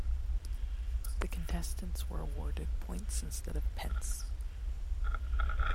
The contestants were awarded points instead of pence.